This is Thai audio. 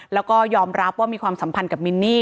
แล้วก็ยอมรับว่ามีความสัมพันธ์กับมินนี่